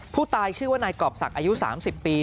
ผู้ตายชื่อว่านายกรอบศักดิ์อายุ๓๐ปี